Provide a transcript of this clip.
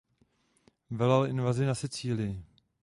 Velel invazi na Sicílii.